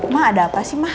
ma ada apa sih ma